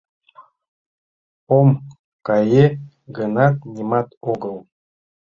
Ом кае гынат, нимат огыл.